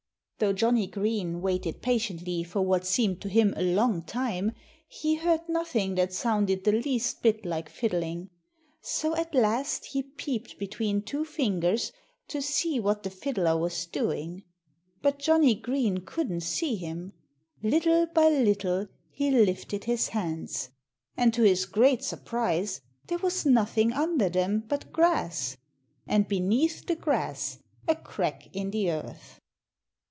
Though Johnnie Green waited patiently for what seemed to him a long time, he heard nothing that sounded the least bit like fiddling. So at last he peeped between two fingers to see what the fiddler was doing. But Johnnie Green couldn't see him. Little by little he lifted his hands. And to his great surprise there was nothing under them but grass and beneath the grass a crack in the earth.